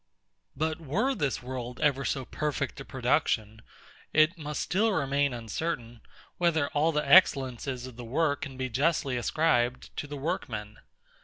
But were this world ever so perfect a production, it must still remain uncertain, whether all the excellences of the work can justly be ascribed to the workman.